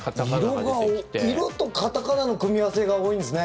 色と片仮名の組み合わせが多いんですね。